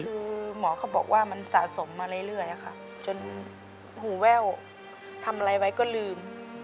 คือหมอเขาบอกว่ามันสะสมมาเรื่อยค่ะจนหูแว่วทำอะไรไว้ก็ลืม